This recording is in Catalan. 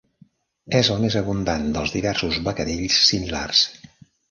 És el més abundant dels diversos becadells similars.